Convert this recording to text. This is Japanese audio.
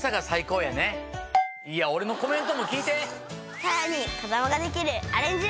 さらに子供ができるアレンジ料理も！